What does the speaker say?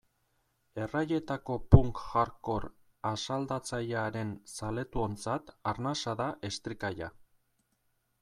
Erraietako punk-hardcore asaldatzailearen zaletuontzat arnasa da Estricalla.